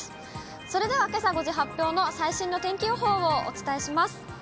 それではけさ５時発表の最新の天気予報をお伝えします。